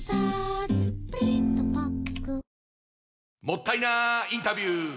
もったいなインタビュー！